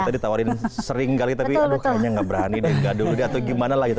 tadi ditawarin sering kali tapi aduh kayaknya nggak berani deh nggak dulu deh atau gimana lah gitu